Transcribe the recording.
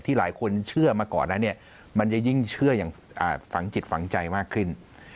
หลายคนเชื่อมาก่อนแล้วเนี่ยมันจะยิ่งเชื่ออย่างฝังจิตฝังใจมากขึ้น